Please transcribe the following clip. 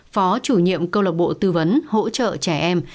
phó chủ nhiệm câu lạc bộ tư vấn hỗ trợ trẻ em